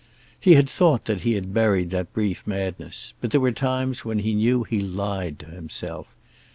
He had thought that he had buried that brief madness, but there were times when he knew he lied to himself.